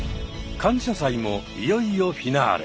感謝祭もいよいよフィナーレ。